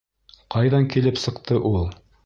Ҡайҙан килеп сыҡты ул?